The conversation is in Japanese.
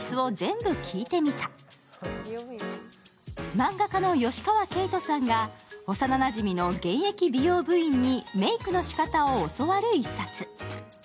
漫画家の吉川景都さんが幼なじみの現役美容部員にメイクのしかたを教わる一冊。